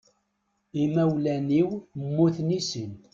Imawlan-iw mmuten i sin.